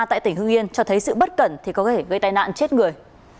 tại tỉnh hưng yên cho thấy sự bất cẩn thì có thể gây tai nạn chết người